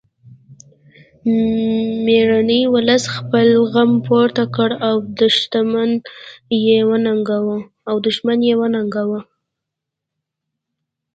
میړني ولس خپل غږ پورته کړ او دښمن یې وننګاوه